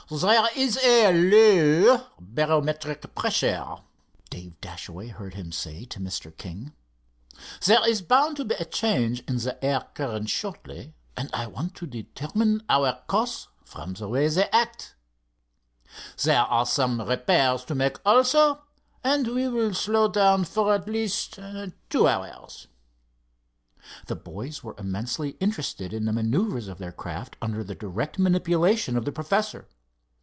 "There is a low barometric pressure," Dave Dashaway had heard him say to Mr. King. "There is bound to be a change in the air currents shortly, and I want to determine our course from the way they act. There are some repairs to make, also, and we will slow down for at least two hours." The boys were immensely interested in the manœuvers of their craft under the direct manipulation of the professor.